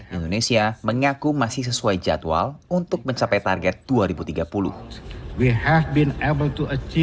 indonesia mengaku masih sesuai jadwal untuk mencapai target dua ribu tiga puluh